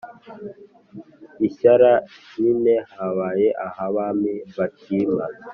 i shyara nyine habaye ah'abami batima